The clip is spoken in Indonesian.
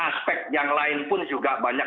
aspek yang lain pun juga banyak